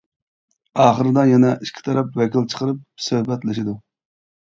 ئاخىرىدا يەنە ئىككى تەرەپ ۋەكىل چىقىرىپ سۆھبەتلىشىدۇ.